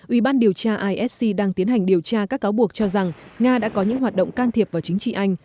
ủy ban điều tra isc đang tiến hành điều tra các cáo buộc cho rằng nga đã có những hoạt động can thiệp vào chính trị anh